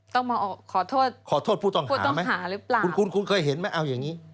ต้องมาขอโทษขอโทษผู้ต้องหาหรือเปล่าคุณคุณเคยเห็นไหมเอาอย่างงี้